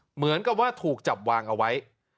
เหมือนกับว่าถูกจับวางเอาไว้